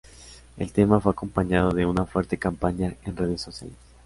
El tema fue acompañado de una fuerte campaña en redes sociales.